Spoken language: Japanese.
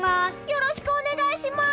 よろしくお願いします！